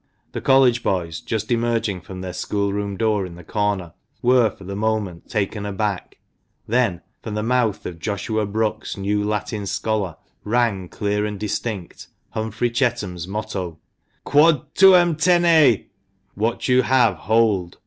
The College boys, just emerging from their school room door in the corner, were, for the moment, taken aback. Then, from the mouth of Joshua Brookes' new Latin scholar, rang, clear and distinct, Humphrey Chetham's motto — "Quod tuum tene!" (What you have, hold!)